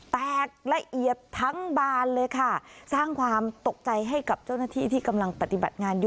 แตกละเอียบทั้งบานสร้างความตกใจให้กับเจ้าหน้าที่ที่กำลังศึกษา